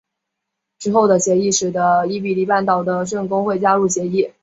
之后的协商使得伊比利半岛的圣公会加入协议。